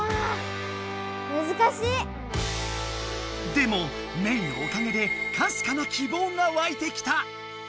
でもメイのおかげでかすかな希望がわいてきた！